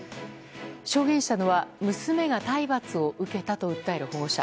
証言したのは娘が体罰を受けたと訴える、保護者。